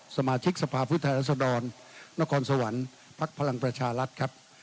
สมาชิกสภาพวุทธรรษฎรนครสวรรค์พรรณประชาลัทธ์ครับ